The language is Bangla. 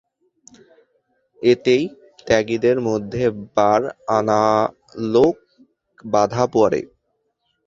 এতেই ত্যাগীদের মধ্যে বার আনা লোক বাঁধা পড়ে।